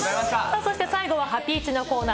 そして最後はハピイチのコーナー。